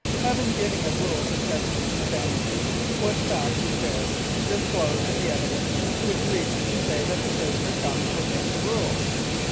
Having given a rule to test this insanity, what fact is there disclosed in the evidence which leads you to say that the prisoner comes within the rule?